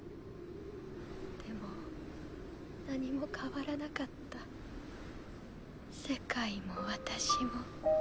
でも何も変わらなかった世界も私も。